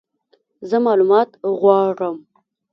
زه مالومات غواړم !